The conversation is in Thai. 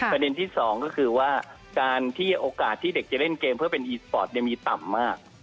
ประเด็นที่สองก็คือว่าการที่โอกาสที่เด็กจะเล่นเกมเพื่อเป็นอีสปอร์ตมีต่ำมาก